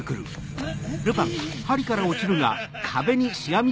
あっ！